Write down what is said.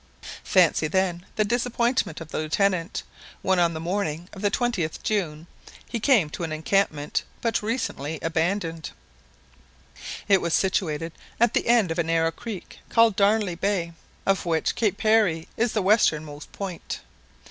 Fancy, then, the disappointment of the Lieutenant, when on the morning of the 20th June he came to an encampment but recently abandoned. It was situated at the end of a narrow creek called Darnley Bay, of which Cape Parry is the westernmost point.